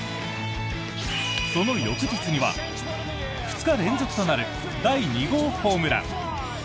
その翌日には２日連続となる第２号ホームラン。